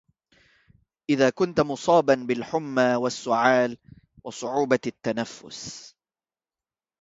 إذا كنت مصاباً بالحمى والسعال وصعوبة التنفس